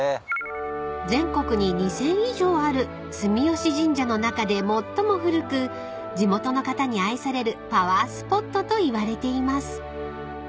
［全国に２，０００以上ある住吉神社の中で最も古く地元の方に愛されるパワースポットといわれています］